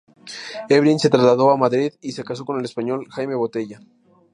Evelyn se trasladó a Madrid y se casó con el español Jaime Botella.